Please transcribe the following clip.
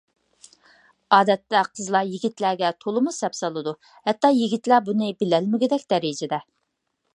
ئادەتتە قىزلار يىگىتلەرگە تولىمۇ سەپسالىدۇ. ھەتتا يىگىتلەر بۇنى بىلەلمىگۈدەك دەرىجىدە.